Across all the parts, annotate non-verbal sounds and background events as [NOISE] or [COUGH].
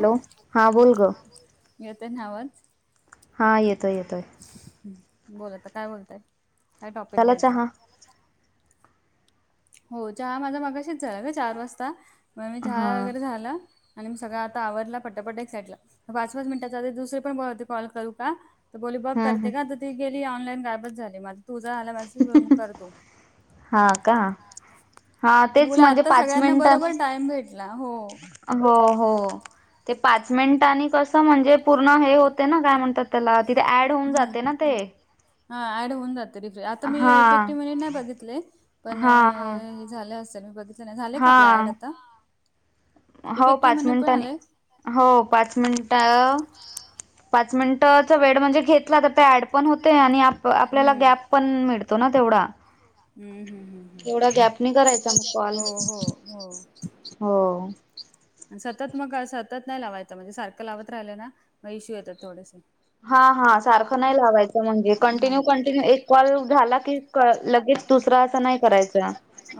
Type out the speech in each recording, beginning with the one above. Hello, हा बोल ग, हा येतोय-येतोय. बोल आता, काय बोलते, काय टॉपिक घ्यायचा. हो, चहा माझा मागाशीच झाला ग चार वाजता, मग मी चहा वगैरे झालं. आणि मग सगळ आता आवरल पटापट् एक साइडला पाच-पाच मिनिटाचा दुसरी पण बोली कॉल करू का? तर बोली बघ करते का तर ती गेली ऑनलाईन गायबच झाली माझ तुझा आला मेसेज मग करतो. हा का, हा तेच म्हणजे पाच मिनिटनी. हो-हो ते पाच मिनिटनी कस म्हणजे पूर्ण हे होत ते ना काय म्हणतात त्याला, तिथे ऍड होऊन जाते ना ते. हा ऍड होऊन जाते, रिफेक्ट आता मी इफेक्टिव्ह नाही बघितले पण झालय असेल मी बघितल नाय झालंय का आपलं ॲड आता, इफेक्टिव्ह म्हणून पण आलय हो पाच मिनिट पाच मिनिटचा वेळ म्हणजे घेतला तर ते ऍड पण होते आणि आप आपल्याला गॅप पण मिडतो ना तेवढा एवढा गॅप नाही करायचा कॉल हो. सतत मग सतत नाही लावायचं म्हणजे सारखं लावत राहिलं ना मग इश्यू येतात थोडेसे हा हा सारखं नाही लावायचं म्हणजे कंटिन्यू, कंटिन्यू एक कॉल झाला की क लगेच दुसरा असं नाही करायचा.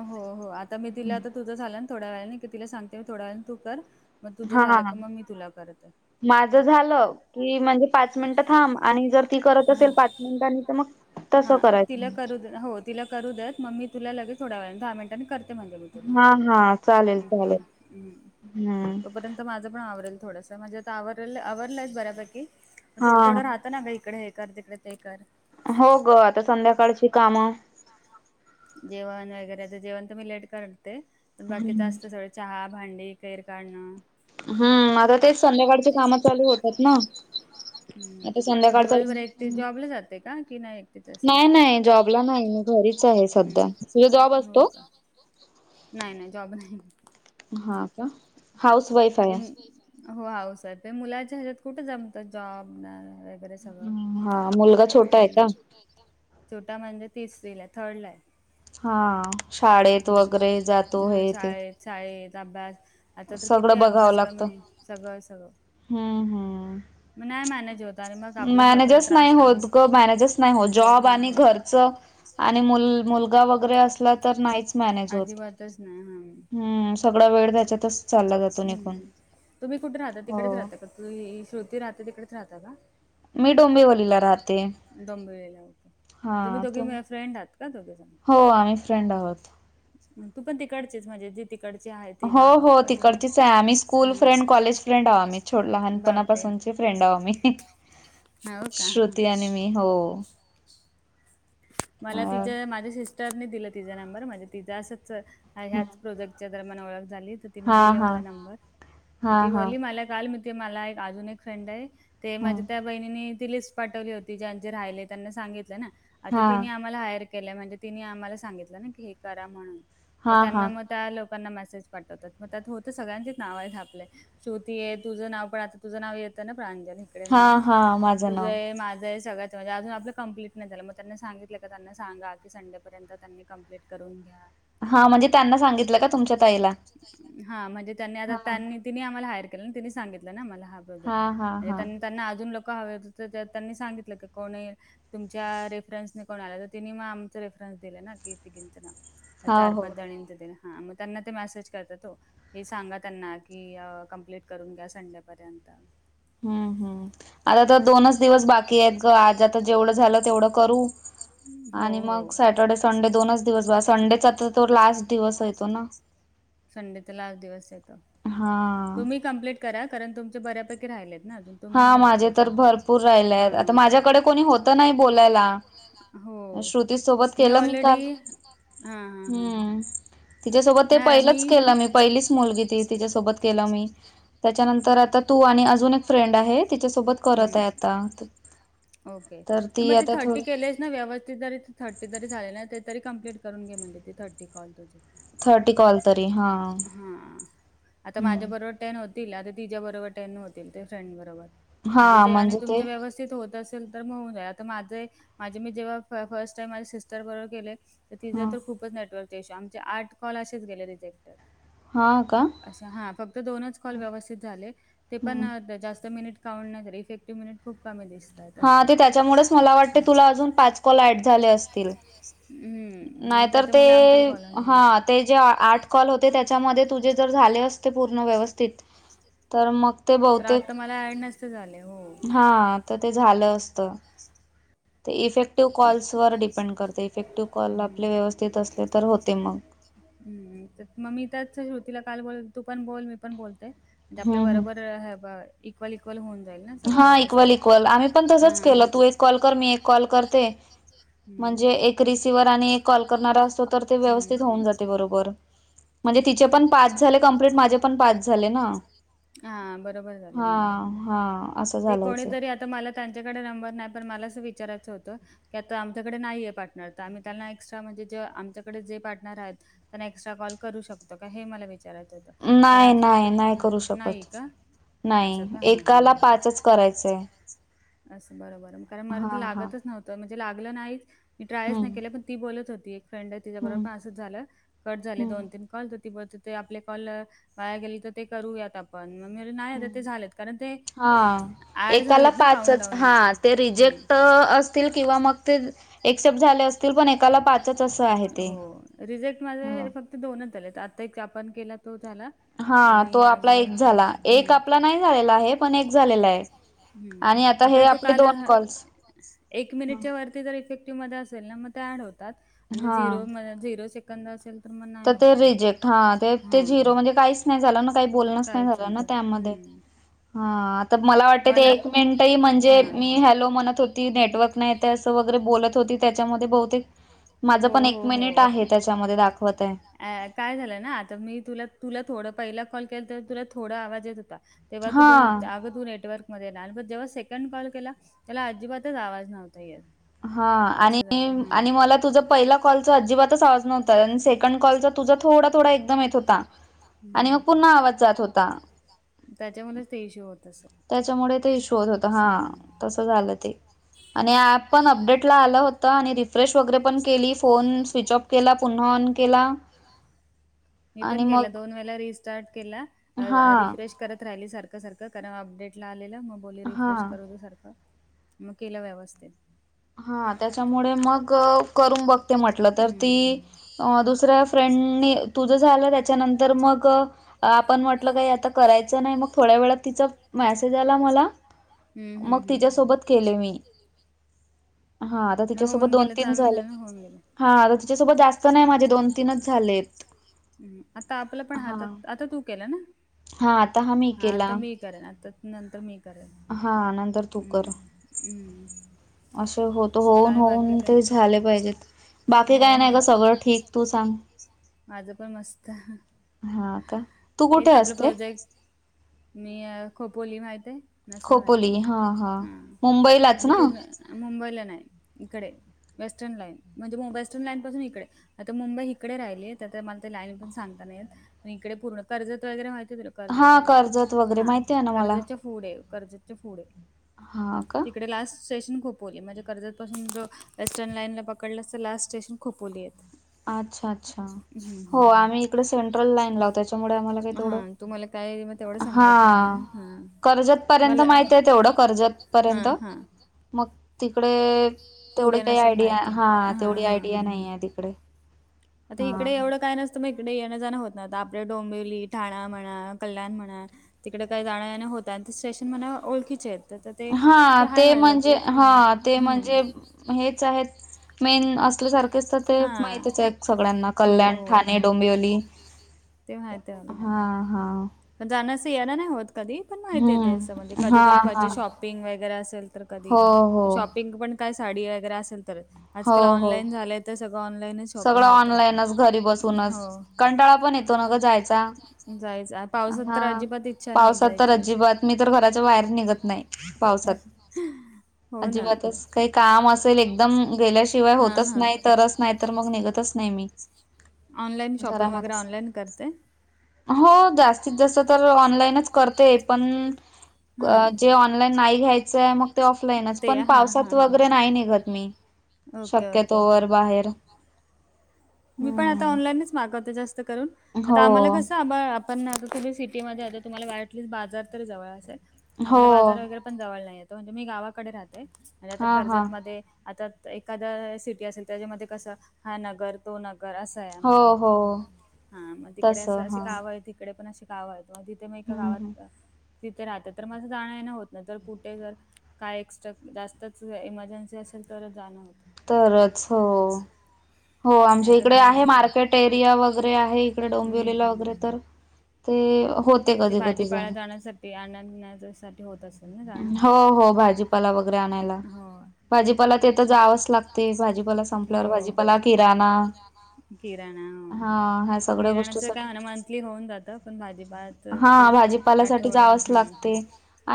हो हो आता मी तिला आता तुझं झालं थोड्या वेळाने तिला सांगते मी थोड्या वेळाने तू कर मग तुझं झालं का मग मी तुला करत आहे. माझ झालं की म्हणजे पाच मिनिटं थांब आणि जर ती करत असेल पाच मिनिटांनी तर मग हा तिला करू दे. हो तिला करू द्याेत मग मी तुला लगे थोड्या वेळा दहा मिनटांनी कर म्हणते मी तुला, हम हम तो पर्यंत माझं पण आवरेल थोडस म्हणजे आता आवरल आवरलंय बऱ्यापैकी थोड थडं राहत ना ग इकडे हे कर, तिकडे ते कर हो ग आता संध्याकाळची कामं जेवण वगैरे जेवण तर मी लेट करते, पण बाकीच असत सगळे चहा, भांडी, केर काढणं. हम्म [UNINTELLIGIBLE] हम्म म्हगाशीच संध्याकाळची काम करून घेतलीस ना. हम्म दिवसभर एक ते जॉबला जाते का, की नाही एकटी च असते. नाही, नाही जॉबला नाही जात. हो का. [INAUDIBLE] नाही नाही जॉब नाही. हा का. हो सर प मुलाच्या हेच्यात कुठे जमत जॉब हे हा मुलगा छोटा आहे का? छोटा म्हणजे तिसरीला आहे. थर्ड ला आहे. हम हा शाळेत वैगेरे हा शाळेत, शाळेत अभ्यास सगळं बघावं लागतं. सगळं सगळं हम्म हम्म. मॅनेजच नाही होत ग मॅनेजच नाही होत. जॉब आणि घरचं आणि मुलगा वैगेरे असला तर नाहीच मॅनेज होत. हम्म सगळा वेळ त्याच्यातच चालला जातो निघून तुम्ही कुठे राहता? तिकडेच राहता का तु श्रृती राहते तिकडेच राहता का? मी डोंबिवलीला राहते. डोंबिवलीला राहते. तुम्ही दोघी फ्रेंड आहात का? दोघे जण हो आम्ही फ्रेंड आहोत. तू पण तिकडचेच म्हणजे जे तिकडचे आहेत. हो हो तिकडचीच आहे, आम्ही स्कूल फ्रेंड, कॉलेज फ्रेंड अहो आम्ही छो लहानपणापासून चे फ्रेंड अहो आम्ही श्रुती आणि मी हो मला तिच्या माझ्या सिस्टरने दिलं तिचा नंबर म्हणजे तिचा असंच ह्याच प्रोजेक्ट त्या दरम्यान ओळख झाली. तर तिने दिला मला नंबर तर ती बोलली मला ते मला एक अजून एक फ्रेंड आहे, ते माझ्या त्या वहिनींनी ती लीस्ट पाठवली होती ज्यांचे राहिले त्यांना सांगितल ना आता त्यांनी आम्हाला हायर केलंय म्हणजे तीने आम्हाला सांगितलं ना की हे करा म्हणून तर त्यांना मग त्या लोकांना मेसेज पाठवतात मग त्यात होत सगळ्यांचेच नाव आहेत आपले श्रुती हे तुझं नाव पण आता तुझं नाव येतं ना प्रांजली तिकडे म्हणून तुझेय माझंय सगळंच अजून आपलं कंप्लीट नाही झालं म ते त्यांना सांगितलं का त्यांना सांगा की संडेपर्यंत त्यांनी कंप्लीट करून घ्या. हा म्हणजे त्यांना सांगितल का तुमच्या ताईला. हा म्हणजे त्यांनी आता त्यांनी तिने आम्हाला हायर केलं ना तिनी सांगितलं ना मला हा प्रोजेक्ट म्हणजे त्यांनी त्यांना अजून लोक हवे होते तर त त्यांनी सांगितलं की कोणी तुमच्या रे रेफरन्सने कोण आला तर तिने मग आमचं रेफरन्स दिले ना की तिघींचं नाव चार पाच जणीचं तेन हा मग त्यांना ते मेसेज करतात ओ हे सांगा त्यांना कि कम्प्लीट करून घ्या संडेपर्यंत हम्म हम्म आता तर दोनच दिवस बाकी आहेत ग. आज आता जेवढं झालं तेवढं करू. आणि मग सॅटर्डे - संडे दोनच दिवस बघ संडेचा तर तो लास्ट दिवस येतो ना? संडे तर लास्ट दिवस येतो. तुम्ही कंप्लीट करा. कारण तुमचे बऱ्यापैकी राहिलेत ना अजून? हा माझे तर भर पूर राहिलेत. आता माझ्याकडे कोणी होत नाही बोलायला. म श्रुती सोबत केलं मी काल. हम्म. तिच्यासोबत ते पहिलंच केलं मी पहिलीच मुलगी ती तिच्यासोबत केलं मी त्याच्यानंतर आता तू. आणि अजून एक फ्रेंड आहे तिच्यासोबत करत आहे आता. ओके मग ते थर्टी केलेस ना? व्यवस्थित जरी थर्टी तरी झाले नाही. ते तरी कंप्लीट करून घे म्हणजे थर्टी कॉल तुझे. थर्टी कॉल केले. हा आता माझ्या बरोबर टेन होतील आता तिच्या बरोबर टेन होतील ते फ्रेंड बरोबर म्हणजे ते आणि तुमचे व्यवस्थि स्थित होत असेल तर हून जाऊ देत आता माझ माझे मी जेव्हा फर्स्ट टाईम माझे सिस्टर बरोबर केले तर तिझं तर खूपच नेटवर्कचा इश्यू आमचे आठ कॉल असेच गेले रिजेक्टर अस हा फक्त दोनच कॉल व्यवस्थित झाले ते पण जास्त मिनिट [UNINTELLIGIBLE] फिफ्टी मिनिट खूप कमी दिसत. हा त्याच्यामध्येच मला वाटल तुला अजून पाच कॉल ऍड झाले अस नाहीतर ते हा ते जे आठ कॉल होते त्याच्यामध्ये तुझे जर झाले अस ते पूर्ण व्यवस्थित तर मग ते बहुतेक -हा तर ते झालं असत. ते इफेक्टिव्ह कॉल्सवर डिपेंड करते. इफे क्ट कॉल आपले व्यवस्थित असले तर होते मग हम्म मग मी त्याच श्रुतीला काल बोल तू पण बोल मी पण बोलते. म्हणजे आपल्या बरोबर हे ब इक्वल - इक्वल होऊन जाईल ना? सगळं व्यवस्थित. हा इक्वल -इक्वल. हा. कॉल कर. मी एक कॉल करते. म्हणजे एक रिसिव्हर आणि एक कॉल करणारा असतो तर ते व्यवस्थित होऊन जाते बरोबर. म्हणजे तिचे पण पाच झाले कमप्लीट माझे पण पाच झाले ना. हा. हा. ते कोणीतरी आता मला त्यांच्याकडे नंबर नाही पण मला असं विचारायचं होतं. की आता आमच्याकडे नाहीये पार्टनर तर आम्ही त्यांना एक्स्ट्रा म्हणजे जे आमच्याकडे जे पार्टनर आहेत त्यांना एक्स्ट्रा कॉल करू शकतो का, हे मला विचारायच होतं. नाही नाही नाही करू शकत. नाही, एकाला पाचच करायचे. असं बरोबर, कारण मला तर लागतच नव्हत. म्हणजे लागलं नाही मी ट्रायच नाही केल्या, पण ती बोलत होती. फ्रेंड आहे तिच्याबरोबर पाचच झालं, कट झाले दोन तीन. कॉल त ते आपले कॉल वाया गेले तर ते करूयात. पण मग नाही आता ते झालेत, कारण ते ऍड झालेत ना काउंडाऊन. हा ते रिजेक्ट असतील किंवा मग ते एक्सेप्ट झाले असतील,, पण एकाला पाचच असं आहे ते. रिझेक्ट माझ फक्त दोनच झालेत, आता एक आपण केला तो झाला, हा तो आपला एक झाला, एक आपला नाही झालेला आहे पण एक झालेला आहे. हम्म, आपल्या तो काल ह एक मिनिटच्या वरती जर इफेक्टिव्ह मध्ये असेल ना, मग ते ऍड होतात. आणि झिरो झिरो सेकंद असेल तर मग नाही होत. रिजेक्ट, हा ते ते झिरो म्हणजे काहीच नाही झालं ना, काही बोलणच नाही झालं ना त्यामध्ये. हा, आ तर मला वाटते ते एक मिनिटही म्हणजे मी हॅलो म्हणत होती नेटवर्क नाही त्यास वगैरे बोलत होती त्याच्या मधे बहुतेक माझ पण एक मिनिट आहे त्याच्यामध्ये दाखवत आहे. अ काय झालं ना, आता मी तुला तुला थोडं पहिला कॉल केलं तर तुला थोडा आवाज येत होता. तेव्हा तू बोलत होती, अग तु नेट नेटवर्क मध्ये या, आणि म जेव्हा सेकंड कॉल केला त्याला अजिबातच आवाज नव्हता येत. हा, आणि आणि मला तुझं पहिला कॉलचा अजिबातच आवाज नव्हता, आणि सेकंड कॉलचा तुझा थोडा थोडा एकदम येत होता, आणि मग पुन्हा आवाज जात होता. त्याच्यामुळेच ते इशु होत असे. त्याच्यामुळे ते इ शूत होत हा, तसं झालं ते. आणि ऍप पण अपडेट ला आलं होता, आणि रिफ्रेश वगैरे पण केली, फोन स्विच ऑफ केला, पुन्हा ऑन केला. हां. हम्म. मी पण केला, दोन वेळा रिस्टार्ट केला, रिफ्रे ेश करत राहिले सारखं सारखं,, कारन अपडेट ला आलेल, मग बोली रिफ्रेश करून दे सारख मग केला व्यवस्थित. हा त्याच्यामुळे मग करून बघते म्हटलं तर ती दुस द्या फ्रेंडने,, तुझं झालं त्याच्यानंतर मग आपण म्हटलं काही आता करायचं नाही, मग थोड्या वेळात मेसेज आला मला तीचा तिच्यासोबत केलेली. हा, आता तिच्यासोबत दोन तीन झालं. हा, तिच्यासोबत जास्त नाही माझे दोन तीनच झाले. ह् आता आपलं पण हातात, आता तू केलं ना, हा आता मी करनार, आता नंतर मी करेन. हा नंतर तु कर. असे होतं, होऊन होऊन ते झाले पाहिजेत. हो, काय नाही का सगळं ठीक, हाय. माझं पण मस्त, हेच आपलं प्रोजेक्ट मी, खोपोली माहित आहे? नसल माहिती म हा, अ पूर्ण मुंबईला नाही, इकडे वेस्टर्न लाईन म्हणजे वेस्टर्न लाईन पासून इकडे, आता मुंबई इकडे राहिली त्या तर मला ते लाईन पण सांगता नाही येत आणि इकडे पूर्ण कर्जत वगैरे माहिती तुला? कर्जत वगैरे, हा कर्जतच्या फूडे, कर्जत च्या फूडे हां का? स्टेशन खोपोली म्हणजे कर्जतपासून अं जो वेस्टर्न लाईनला पकडलं अस तर लास्ट स्टेशन खोपोली येतं. अच्छा, अच्छा हो आम्ही इकडे सेंट्रल लाईनला वत त्याच्यामुळे आम्हाला काही तेवढं तुम्हाला काय म तेवढं समजत नाही, हा, हा मला अं हा, हा मग तिकडे तेवढी काही आयडिया हा, तेवढी आयडिया नाही आहे तिक कडे, आता इकडे एवढं काय नस मग इकडे येणं जाणं होत नव्हतं, आपल्या डोंबिवली, ठाणा म्हणा, कल्याण म्हणा. तिकडे कायम जाणन येणं होतं आणि ते स्टेशन मला ओळखीचे त. हा ते म्हणजे, हा ते म्हणजे हेच आहेत मेन असल्यासारखेच तर ते माहितच आहेत. सगळ्यांना कल्याण, ठाणे डोंबिवली हा, हा पण जाण् अस येणं नाही होत कधी पण माहिती ते असं म्हणजे, कधी तरी कोणाची शॉपिंग वगैरे असेल तर कधी शॉपिंग पण काय साडी वगैरे असेल तरच, आजकाल ऑनलाईन झालंय. ते सगळं ऑनलाईनच शॉपिंग होत, ते सगळं ऑनलाईन च सुरु असतं [UNINTELLIGIBLE] हो, जायच आता हा पावसात तर अजिबात, मी तर घराच्या बाहेरच निघत नाही पावसात. अजिबातच काही काम असेल एकदम गेल्याशिवाय होतच नाही तरच नाहीत तर मग निघतच नाही मी. ऑनलाईन शॉपिंग वगैरे ऑनलाईन करते? हो जास्तीत- जास्त तर ऑनलाईनच करते पण क जे ऑनलाईन नाही घ्यायचंय, मग ते ऑफलाईनच पण पावसात वगैरे नाही निघत मी. शक्य, तोवर बाहेर मी पण आता ऑनलाईनच मागवते जास्त करून, आता आम्हाला कसं अब अब पण आता तुम्ही सिटीमध्ये आता तुम्हाला अटलीस्ट बाजार तरी जवळ असेल, आम्हाला बाजार वगैरे पण जवळ नाही ये म्हणजे मी गावाकडे राहते म्हणजे आता कर्जतमध्ये आता त एखादा सिटी असेल त्याच्यामध्ये कसं हा नगर तो नगर असं हाय आमचा हा मग तिकडे असं अशी गावं आहे तिकडे पण अशी गावं आहेत ते मग एका गावात तिथे राहते, तर माझा जाण येणं होत नाही तर कुठे जर काय एक्स्ट्रात जास्तच इमर्जन्सी असेल तरच जाणं होतं. तरच, हो. हो आमच्या इकडे आहे मार्केट एरिया वगैरे आहे, इकडे डोंबिवलीला वगैरे तर ते अं ते भाजीपाला जाण्यासाठी आणण्याचासाठी होतं, होत असेल ना जाणं, हो, हो हो, हो भाजीपाला ते तर जावंच लागते, भाजीपाला संपल्यावर भाजीपाला, किराणा. किराणा, किराणाच काय होणा मंथली होऊन जातं पण भाजी हा भाजीपाल्यासाठी जावचं लागते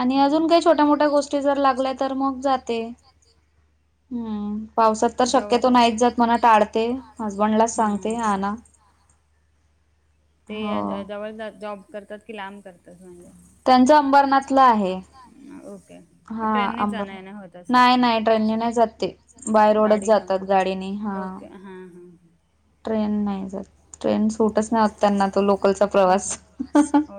आणि आ अजून काही छोट्या, मोठ्या गोष्टी जर लागल्या तर मग जाते, हम्. पावसात तर शक्यतो नाहीच जात म्हणा टाळते, हसबंडलाच सांगते आणा. ते ज जवळ ला जॉब करतात, कि लांब करतात म्हणजे, त्यांचा अंबरनाथ ओके. ट्रेनने जाण येणं होत असेल, नाही नाही गाडी घेऊन ओके. हां हां. ट्रेन नाही जात ट्रेन सुटच नाही होत त्यांना तो लोकलचा प्रवास.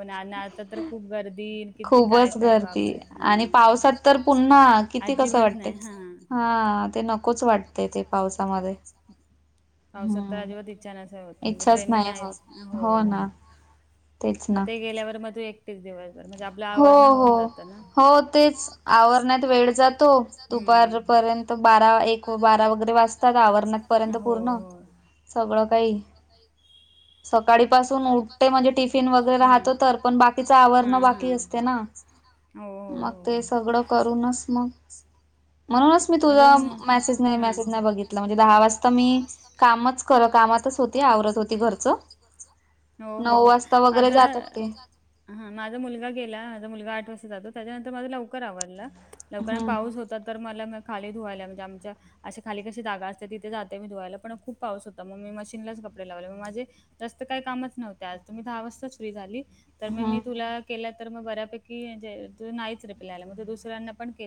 ना ना आता तर खूप गर्दी दिन किती काय काय वापरे ह पावसात अजिबात नाही हा. हा ते नकोच वाटते ते पावसामध्ये. पावसात तर अजिबात इच्छा नसेल होत, म्हणजे ट्रेनने नाहीच हो. मग ते गेल्यावर मग तू एकटीच दिवस हो हो हो तेच आवरण्यात वेळ जातो दुपारपर्यंत बारा एक बारा वगैरे वाचतात आवरन्यात पर्यंत पूर्ण सगळं काही नई. सकाळी पासुन उठे म्हणजे टिफिन वगैरे राहतो तर पण बाकीचा आवरण बाकी के असते ना, मग ते सगळं करूनच मग मस [UNINTELLIGIBLE] दहा वाजता मी कामच करत. ‌ कामाच सध्या आवरत होते घरचं, हो हो हो अगं. [UNINTELLIGIBLE] हा माझा मुलगा गेला. माझा मुलगा आठ वाजता जातो. त्याच्यानंतर माझं लवकर आवरल लव पाऊस होत तर मला खाली धुवायला म्हणजे आमच्या अशी खाली कशी जागा असते. तिथे जात मी धुवायला पण खूप पाऊस होता. म मी मशीनलाच कपडे लावले मग माझे जास्त काही कामच नव्हते. आज तुम्ही दहा वाजता फ्री झाली. तर मग मी तुला केला तर मग बऱ्यापैकी जे नाहीच रिप्लाय आला मग दुसऱ्यांना पण केलं